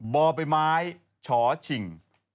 บไปไม้ชฉิ่ง๕๕๑๘